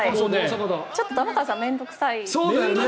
ちょっと玉川さんは面倒臭い。